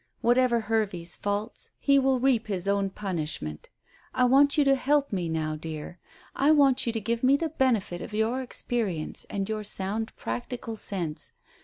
"Whatever Hervey's faults, he will reap his own punishment. I want you to help me now, dear. I want you to give me the benefit of your experience and your sound, practical sense.